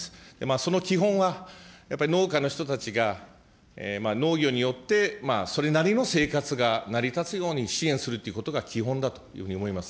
その基本は、やっぱり農家の人たちが、農業によってそれなりの生活が成り立つように支援するということが基本だというふうに思います。